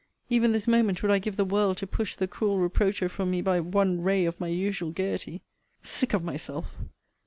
Even this moment would I give the world to push the cruel reproacher from me by one ray of my usual gayety! Sick of myself!